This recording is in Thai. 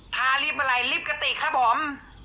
ทารีฟอะไรรีฟกระติกครับผม